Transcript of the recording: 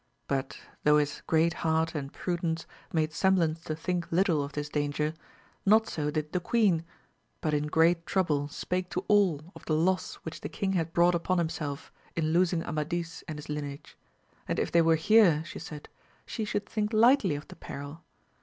But though his great heart and prudence 202 AMADIS OF GAUL. made semblance to think little of this danger, not so did the queen, but in great trouble spake to all of the loss which the king had brought upon himself, in losing Amadis and his lineage ; if they were here, she said, she should think lightly of the peril.